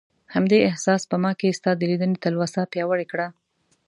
همدې احساس په ما کې ستا د لیدنې تلوسه پیاوړې کړه.